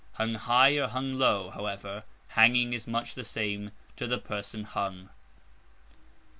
Hung high or hung low, however, hanging is much the same to the person hung.